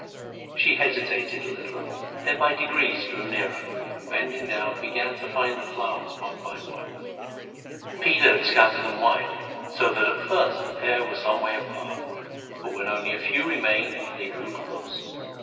She hesitated a little, then by degrees drew nearer, and, bending down, began to find the flowers one by one. Peter had scattered them wide, so that at first the pair were some way apart, but when only a few remained, they drew close.